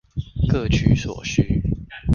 各取所需